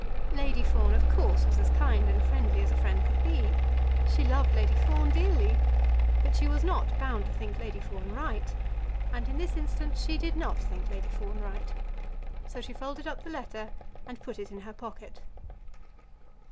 Lady Fawn, of course, was as kind and friendly as a friend could be. She loved Lady Fawn dearly. But she was not bound to think Lady Fawn right, and in this instance she did not think Lady Fawn right. So she folded up the letter and put it in her pocket.